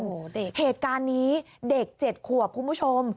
โอ้โฮเด็กเด็กกันนี้เด็กเจ็ดข่วบคุณผู้ชม